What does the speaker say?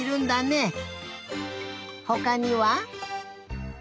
ほかには？